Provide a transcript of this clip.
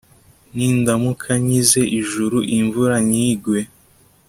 nindamuka nkinze ijuru, imvura ntigwe